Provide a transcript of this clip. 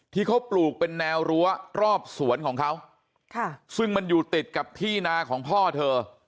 ที่เขาปลูกเป็นแนวรั้วรอบสวนของเขาซึ่งมันอยู่ติดกับที่นาของพ่อเธอ